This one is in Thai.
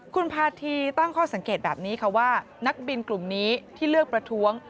คุณพาธีตั้งข้อสังเกตแบบนี้ค่ะว่านักบินกลุ่มนี้ที่เลือกประท้วง